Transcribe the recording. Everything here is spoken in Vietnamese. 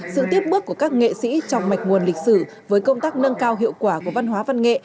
sự tiếp bước của các nghệ sĩ trong mạch nguồn lịch sử với công tác nâng cao hiệu quả của văn hóa văn nghệ